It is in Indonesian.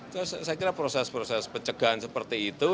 terus saya kira proses proses pencegahan seperti itu